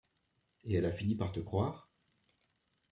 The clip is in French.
Et elle a fini par te croire ?